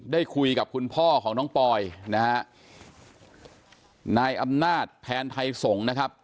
ได้คุยกับคุณพ่อของน้องปอยนะฮะนายอำนาจแพนไทยสงศ์นะครับ